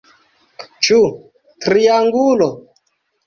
Ĉu triangulo?